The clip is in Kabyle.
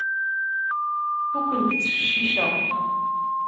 Ur kent-ttfecciceɣ.